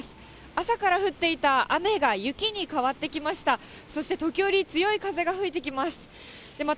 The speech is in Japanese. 朝から降っていた雨が雪に変わってきました。